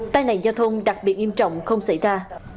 tai nạn giao thông đặc biệt nghiêm trọng không xảy ra